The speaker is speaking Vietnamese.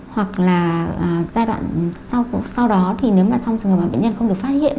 hoặc là giai đoạn sau đó thì nếu mà trong trường hợp bản bệnh nhân không được phát hiện